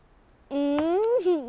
うん？